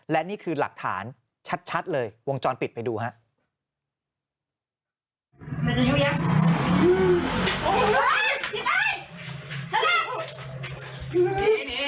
และนี่คือหลักฐานชัดเลยวงจรปิดไปดูครับ